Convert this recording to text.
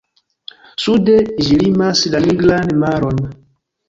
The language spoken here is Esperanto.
Sude ĝi limas la Nigran maron.